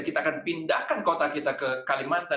kita akan pindahkan kota kita ke kalimantan